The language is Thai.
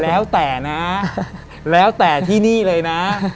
แล้วแต่นะแล้วแต่ที่นี่เลยนะ